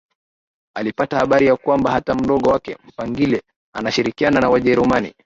Alipata habari ya kwamba hata mdogo wake Mpangile anashirikiana na Wajerumani